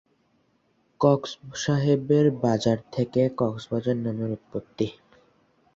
Cox সাহেবের বাজার থেকে "কক্সবাজার" নামের উৎপত্তি।